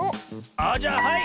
あじゃあはい！